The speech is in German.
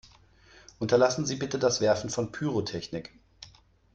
Unterlassen Sie bitte das Werfen von Pyrotechnik!